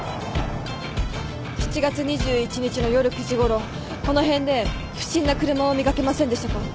７月２１日の夜９時ごろこの辺で不審な車を見掛けませんでしたか？